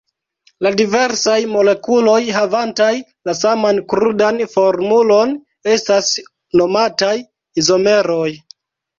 La diversaj molekuloj havantaj la saman krudan formulon estas nomataj izomeroj.